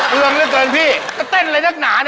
เรื่องนี้เกินพี่ก็เต้นเลยนักหนา